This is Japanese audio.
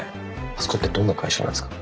あそこってどんな会社なんですか？